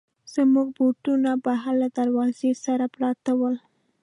زموږ بوټونه بهر له دروازې سره پراته ول.